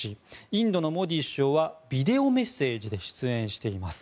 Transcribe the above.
インドのモディ首相はビデオメッセージで出演しています。